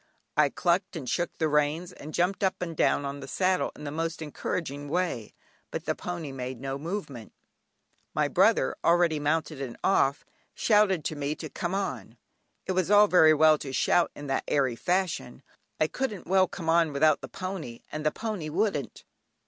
I "clucked" and shook the reins, and jumped up and down on the saddle in the most encouraging way, but the pony made no movement. My brother, already mounted and off, shouted to me to "come on." It was all very well to shout in that airy fashion, I couldn't well "come on" without the pony, and the pony wouldn't.